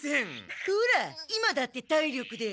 ほら今だって体力で。